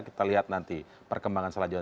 kita lihat nanti perkembangan selanjutnya